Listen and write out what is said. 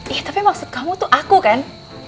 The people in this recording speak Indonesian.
ih tapi maksud kamu tuh aku kan